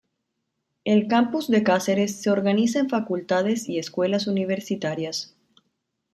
El Campus de Cáceres se organiza en facultades y escuelas universitarias.